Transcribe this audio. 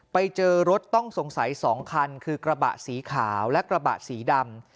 ไปเจอรถต้องสงสัย๒คันคือกระบะสีขาวและกระบะสีดำ